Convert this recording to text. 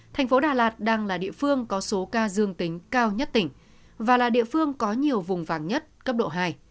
thành phố đà lạt đang là địa phương có số ca dương tính cao nhất tỉnh và là địa phương có nhiều vùng vàng nhất cấp độ hai